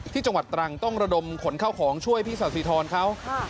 จังหวัดตรังต้องระดมขนเข้าของช่วยพี่ศาสิทรเขา